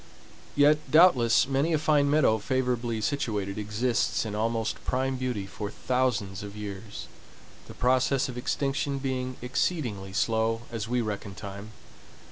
Yet doubtless many a fine meadow favorably situated exists in almost prime beauty for thousands of years, the process of extinction being exceedingly slow, as we reckon time.